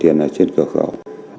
chị giang đổi tiền ở trên cửa khẩu